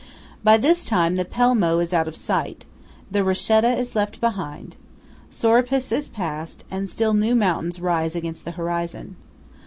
By this time the Pelmo is out of sight, the Rochetta is left behind, Sorapis is passed, and still new mountains rise against the horizon.